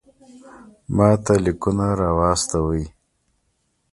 ماته لیکونه را واستوئ.